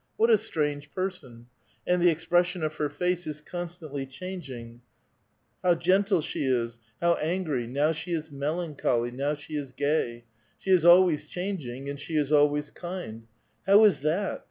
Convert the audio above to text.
What a strange person ! And the expression of her face is constantly changing : how gentle she is, how an gry ; now she is melancholy, now she is gay. She is always changing, and she is always kind; how is that?